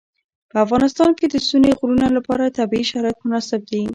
په افغانستان کې د ستوني غرونه لپاره طبیعي شرایط مناسب دي.